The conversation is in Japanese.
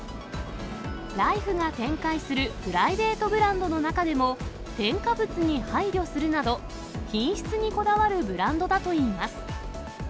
ライフが展開するプライベートブランドの中でも、添加物に配慮するなど、品質にこだわるブランドだといいます。